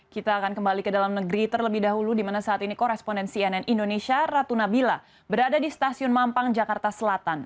kita akan kembali ke dalam negeri terlebih dahulu di mana saat ini koresponden cnn indonesia ratu nabila berada di stasiun mampang jakarta selatan